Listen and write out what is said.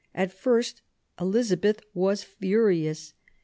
At first, Elizabeth was furious.